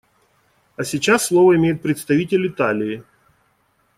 А сейчас слово имеет представитель Италии.